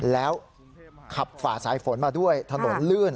แล้วขับฝ่าสายฝนมาด้วยถนนลื่น